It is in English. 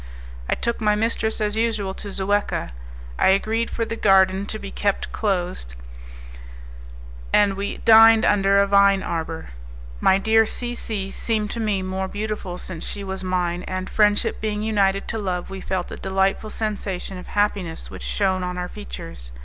I took my mistress as usual to Zuecca; I agreed for the garden to be kept closed, and we dined under a vine arbour. My dear C C seemed to me more beautiful since she was mine, and, friendship being united to love we felt a delightful sensation of happiness which shone on our features.